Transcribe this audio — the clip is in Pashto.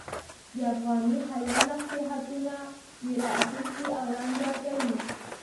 د افغاني حیا نصیحتونه یې را اخیستي او رنګ ورکوي.